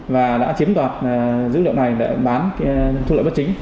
và đã chiếm đoạt dữ liệu này để bán thu lợi bất chính